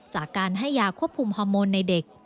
จากการให้ยาควบคุมฮอร์โมนในเด็ก